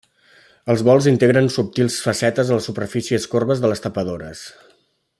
Els bols integren subtils facetes en les superfícies corbes de les tapadores.